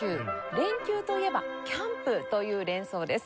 「連休」といえば「キャンプ」という連想です。